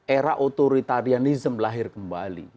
era otoritarianism lahir kembali